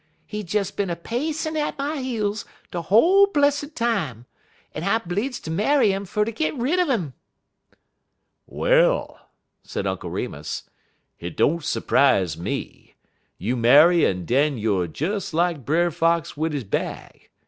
He des bin a pacin' at my heels de whole blessed time, en I bleedz ter marry 'im fer git rid un 'im." "Well," said Uncle Remus, "hit don't s'prize me. You marry en den youer des lak Brer Fox wid he bag.